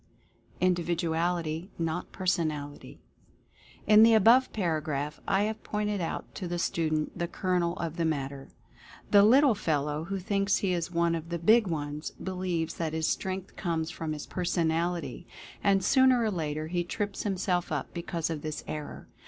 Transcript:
INDIVIDUALITY NOT PERSONALITY. In the above paragraph I have pointed out to the student the kernel of the matter. The "little fellow" who thinks he is one of the "big ones" believes that his strength comes from his Personality, and sooner or later he trips himself up because of this error.